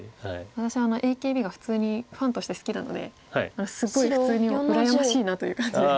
私ＡＫＢが普通にファンとして好きなのですごい普通に羨ましいなという感じで。